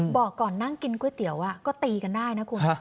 บอกก่อนนั่งกินก๋วยเตี๋ยวก็ตีกันได้นะคุณ